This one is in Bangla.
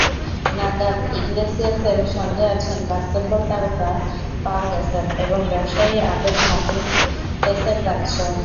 নাদাল-ইগলেসিয়াসের সঙ্গে আছেন বাস্কেটবল তারকা পাও গ্যাসল এবং ব্যবসায়ী আবেল মাতুতেস প্রাতসও।